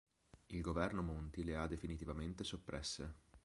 Il governo Monti le ha definitivamente soppresse.